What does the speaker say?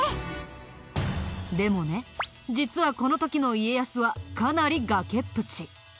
でもね実はこの時の家康はかなり崖っぷち。